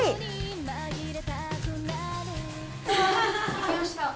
できました。